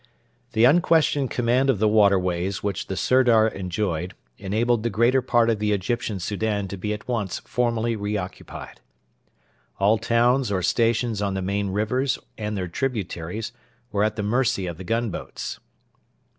The unquestioned command of the waterways which the Sirdar enjoyed enabled the greater part of the Egyptian Soudan to be at once formally re occupied. All towns or stations on the main rivers and their tributaries were at the mercy of the gunboats.